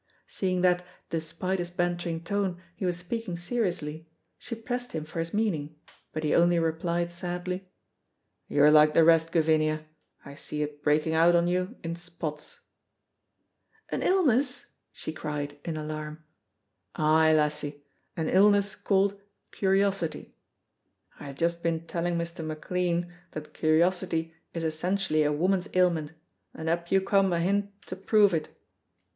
Seeing that, despite his bantering tone, he was speaking seriously, she pressed him for his meaning, but he only replied sadly, "You're like the rest, Gavinia, I see it breaking out on you in spots." "An illness!" she cried, in alarm. "Ay, lassie, an illness called curiosity. I had just been telling Mr. McLean that curiosity is essentially a woman's ailment, and up you come ahint to prove it."